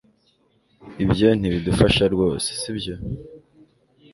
Ibyo ntibidufasha rwose sibyo